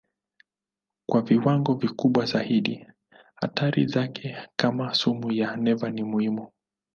Kwa viwango kikubwa zaidi hatari zake kama sumu ya neva ni muhimu.